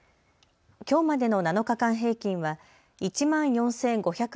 きょうまでの７日間平均は１万４５８６．４